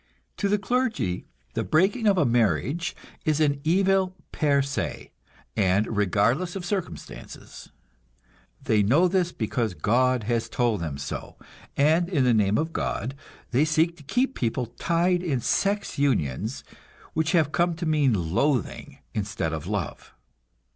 To the clergy, the breaking of a marriage is an evil per se, and regardless of circumstances. They know this because God has told them so, and in the name of God they seek to keep people tied in sex unions which have come to mean loathing instead of love.